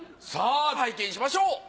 さあ拝見しましょう。